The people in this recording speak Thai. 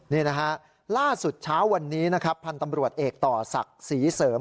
นี่นะฮะล่าสุดเช้าวันนี้นะครับพันธ์ตำรวจเอกต่อศักดิ์ศรีเสริม